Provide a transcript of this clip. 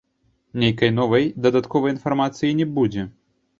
Нейкай новай, дадатковай інфармацыі не будзе.